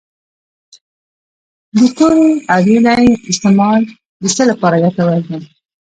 د تورې اریړې استعمال د څه لپاره ګټور دی؟